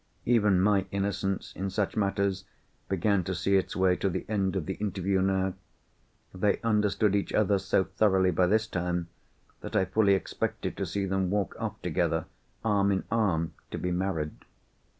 Even my innocence in such matters began to see its way to the end of the interview now. They understood each other so thoroughly by this time, that I fully expected to see them walk off together, arm in arm, to be married.